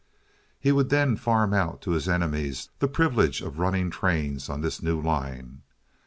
He would then farm out to his enemies the privilege of running trains on this new line.